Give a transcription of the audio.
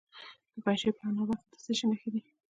د پنجشیر په عنابه کې د څه شي نښې دي؟